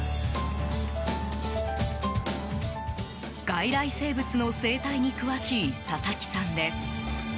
外来生物の生態に詳しい佐々木さんです。